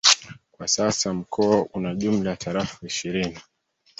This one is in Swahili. Kwa sasa Mkoa una jumla ya Tarafa ishirini